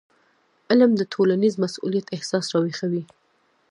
علم د ټولنیز مسؤلیت احساس راویښوي.